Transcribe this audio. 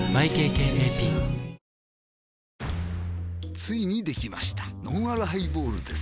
ついにできましたのんあるハイボールです